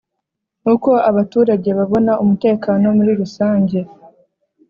Uko abaturage babona umutekano muri rusange